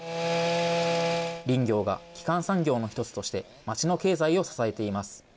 林業が基幹産業の１つとして、町の経済を支えています。